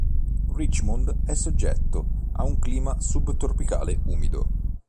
Richmond è soggetto a un Clima subtropicale umido.